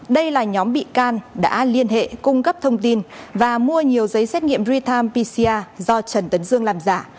đây là nhóm bị can đã liên hệ cung cấp thông tin và mua nhiều giấy xét nghiệm real time pcr do trần tấn dương làm giả